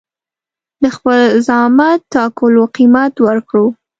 د خپل زعامت ټاکلو قيمت ورکړو.